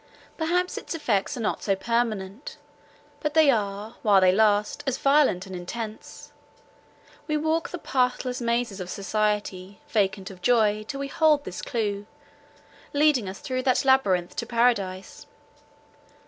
Perhaps its effects are not so permanent; but they are, while they last, as violent and intense. We walk the pathless mazes of society, vacant of joy, till we hold this clue, leading us through that labyrinth to paradise.